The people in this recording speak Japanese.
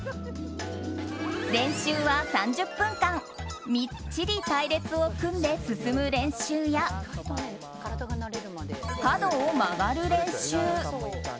練習は３０分間みっちり隊列を組んで進む練習や角を曲がる練習。